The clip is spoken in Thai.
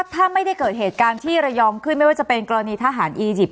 ถ้าไม่ได้เกิดเหตุการณ์ที่ระยองขึ้นไม่ว่าจะเป็นกรณีทหารอียิปต์